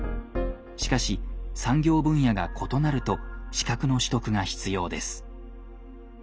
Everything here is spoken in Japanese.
しかし産業分野が異なると資格の取得が必要です。